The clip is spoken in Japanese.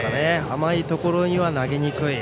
甘いところには投げにくい。